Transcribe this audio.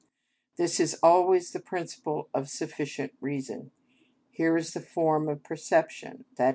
This is always the principle of sufficient reason; here as the form of perception, _i.